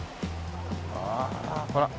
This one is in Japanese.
ああほら。